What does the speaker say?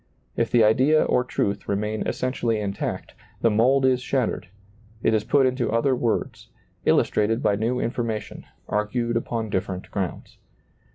If the idea or truth remain essentially intact, the mold is shattered; it is put into other words, illustrated by new information, argued upon dif ferent grounds.